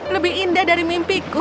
lebih indah dari mimpiku